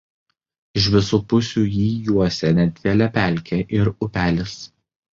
Iš visų pusių jį juosia nedidelė pelkė ir upelis.